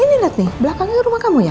ini lihat nih belakangnya rumah kamu ya